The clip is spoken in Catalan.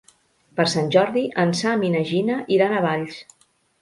Per Sant Jordi en Sam i na Gina iran a Valls.